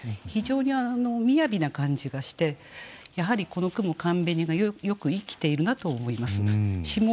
非常にみやびな感じがしてやはりこの句も「寒紅」がよく生きているなと思います。